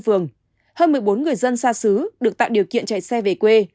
phường hơn một mươi bốn người dân xa xứ được tạo điều kiện chạy xe về quê